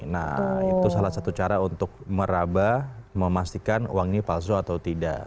nah itu salah satu cara untuk merabah memastikan uang ini palsu atau tidak